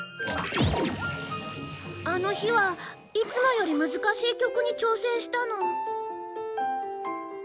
あの日はいつもより難しい曲に挑戦したの。